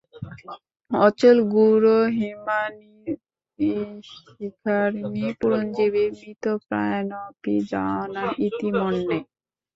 অচলগুরোর্হিমানিমণ্ডিতশিখরাণি পুনরুজ্জীবয়ন্তি মৃতপ্রায়ানপি জনান ইতি মন্যে।